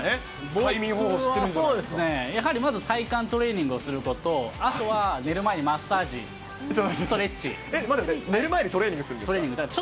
僕は、そうですね、やはりまず、体幹トレーニングをすることと、あとは寝る前にマッサージ、寝る前にトレーニングするんトレーニング。